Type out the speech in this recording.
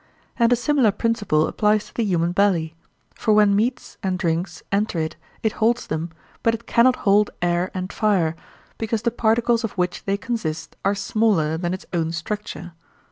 And a similar principle applies to the human belly; for when meats and drinks enter it, it holds them, but it cannot hold air and fire, because the particles of which they consist are smaller than its own structure.